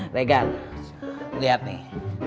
regan liat nih